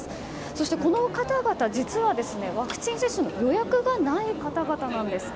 そしてこの方々、実はワクチン接種の予約がない方々なんです。